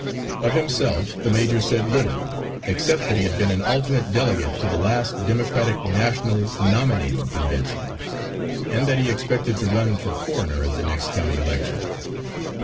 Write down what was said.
Of himself the major said little except that he had been an alternate delegate to the last Democratic National Nominating Convention, and that he expected to run for coroner at the next county election.